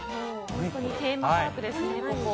本当にテーマパークですね。